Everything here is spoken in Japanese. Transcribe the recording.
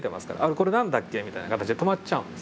あこれ何だっけみたいな形で止まっちゃうんですね。